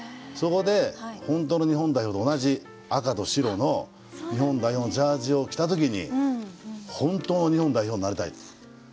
そこで本当の日本代表と同じ赤と白の日本代表のジャージを着た時に本当の日本代表になりたいと。